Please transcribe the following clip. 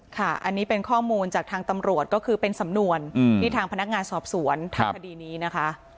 ค่ะอันนี้เป็นข้อมูลจากทางตำรวจก็คือเป็นสำนวนที่ทางพนักงานสอบสวนทำคดีนี้นะคะ